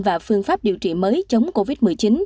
và phương pháp điều trị mới chống covid một mươi chín